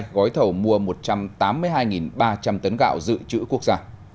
gói thầu mua một trăm tám mươi hai ba trăm linh tấn gạo dự trữ quốc gia